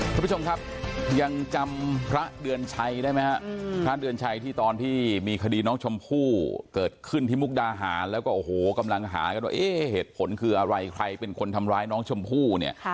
คุณผู้ชมครับยังจำพระเดือนชัยได้ไหมฮะพระเดือนชัยที่ตอนที่มีคดีน้องชมพู่เกิดขึ้นที่มุกดาหารแล้วก็โอ้โหกำลังหากันว่าเอ๊ะเหตุผลคืออะไรใครเป็นคนทำร้ายน้องชมพู่เนี่ย